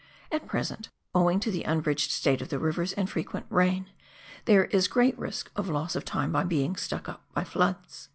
At present, owing to the unbridged state of the rivers and frequent rain, there is great risk of loss of time by being " stuck up " by floods.